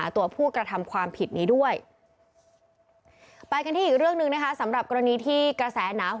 ทบพลเอกอภิรัชโครงสมพงศ์ให้คำตอบกันค่ะ